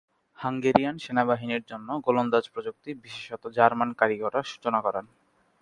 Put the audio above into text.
Hungarian সেনাবাহিনীর জন্য গোলন্দাজ প্রযুক্তি বিশেষত জার্মান কারিগররা সূচনা করে।